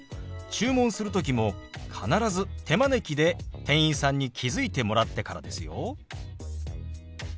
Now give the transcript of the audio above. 注文する時も必ず手招きで店員さんに気付いてもらってからですよ。